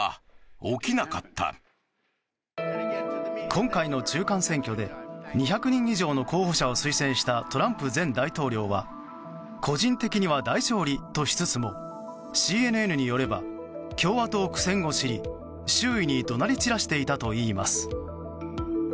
今回の中間選挙で２００人以上の候補者を推薦したトランプ前大統領は個人的には大勝利としつつもＣＮＮによれば共和党苦戦を知り周囲に怒鳴り散らしていたといいます。